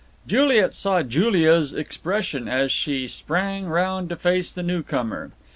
Juliet saw Julia's expression as she sprang round to face the newcomer.